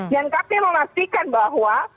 dan kami memastikan bahwa